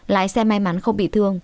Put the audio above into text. lái xe may mắn không bị thương